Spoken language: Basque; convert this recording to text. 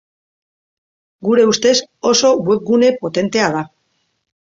Gure ustez oso webgune potentea da.